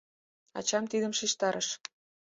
Ачам тидым шижтарыш.